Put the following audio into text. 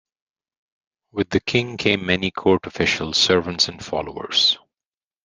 With the King came many court officials, servants and followers.